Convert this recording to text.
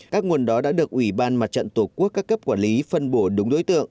các nguồn đó đã được ủy ban mặt trận tổ quốc các cấp quản lý phân bổ đúng đối tượng